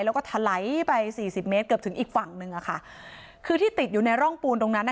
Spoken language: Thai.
แล้วก็ถลายไปสี่สิบเมตรเกือบถึงอีกฝั่งหนึ่งอ่ะค่ะคือที่ติดอยู่ในร่องปูนตรงนั้นอ่ะ